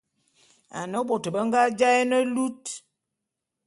Ane bôt be nga jaé ne lut.